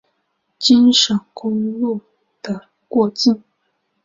京沈公路过境。